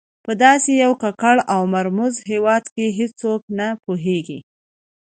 په داسې یو ککړ او مرموز هېواد کې هېڅوک نه پوهېږي.